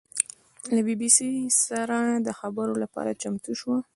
له بي بي سي سره د خبرو لپاره چمتو شوه.